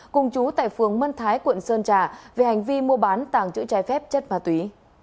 cùng chú tại phường mân thái quận sơn trà về hành vi mua bán tàng chữ trái phép chất ma túy